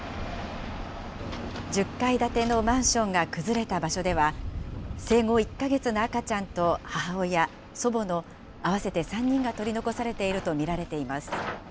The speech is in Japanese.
１０階建てのマンションが崩れた場所では、生後１か月の赤ちゃんと母親、祖母の合わせて３人が取り残されていると見られています。